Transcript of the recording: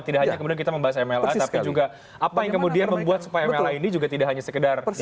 tidak hanya kemudian kita membahas mla tapi juga apa yang kemudian membuat supaya mla ini juga tidak hanya sekedar